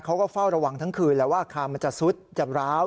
เขาก็เฝ้าระวังทั้งคืนแล้วว่าอาคารมันจะซุดจะร้าว